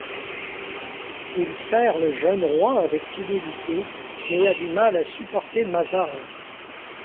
Il sert le jeune roi avec fidélité, mais a du mal à supporter Mazarin.